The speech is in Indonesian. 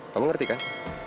kamu ngerti kan